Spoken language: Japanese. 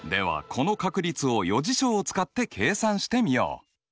この確率を余事象を使って計算してみよう。